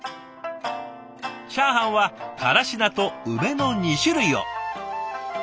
チャーハンはからし菜と梅の２種類を。